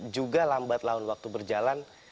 juga lambat laun waktu berjalan